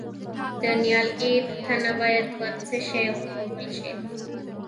د نیالګي تنه باید په څه شي وپوښم؟